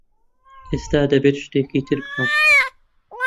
ئێستا دەبێت شتێکی تر بکەم.